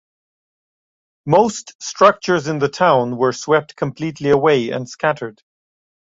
Most structures in the town were swept completely away and scattered.